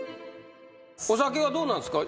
お酒はどうなんですか？